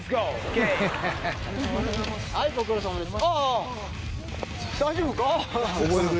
はいご苦労さまです。